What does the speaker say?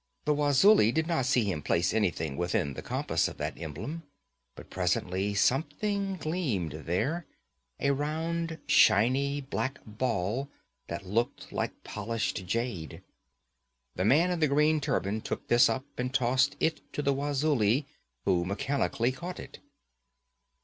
The Wazuli did not see him place anything within the compass of that emblem, but presently something gleamed there a round, shiny black ball that looked like polished jade. The man in the green turban took this up and tossed it to the Wazuli, who mechanically caught it.